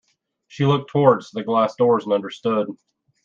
She looked towards the glass doors and understood.